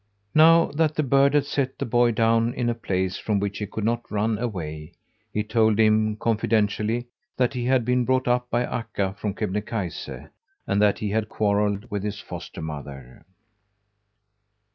Now that the bird had set the boy down in a place from which he could not run away, he told him confidentially that he had been brought up by Akka from Kebnekaise, and that he had quarrelled with his foster mother.